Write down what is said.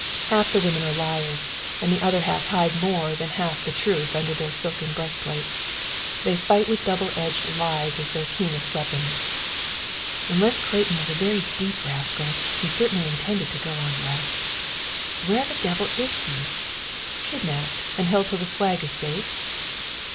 Half the women are liars, and the other half hide more than half the truth under their silken breastplates. They fight with double edged lies as their keenest weapons. "Unless Clayton was a very deep rascal, he certainly intended to go on West. Where the devil is he? Kidnapped, and held till the swag is safe?